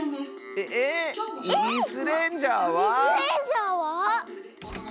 えっ⁉「イスレンジャー」は？